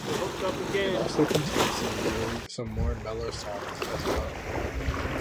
It also contains some more mellow songs as well.